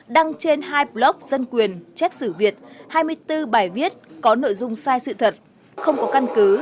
đăng trên hai blog dân quyền chép sử việt hai mươi bốn bài viết có nội dung sai sự thật không có căn cứ